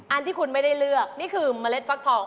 อันที่คุณไม่ได้เลือกนี่คือเมล็ดฟักทอง